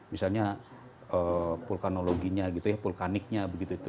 misalnya vulkanologinya gitu ya vulkaniknya